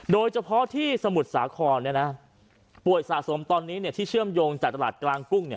โดยเฉพาะที่สมุทรสาของนะครับป่วยสะสมตอนนี้เนี่ยที่เชื่อมโยงจากตลาดกลางกุ้งเนี่ย